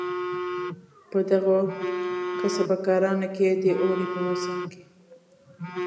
په دغو کسبه کارانو کې د اوړي په موسم کې.